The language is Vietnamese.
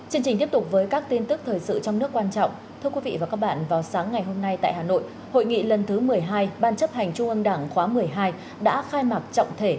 hãy đăng ký kênh để ủng hộ kênh của chúng mình nhé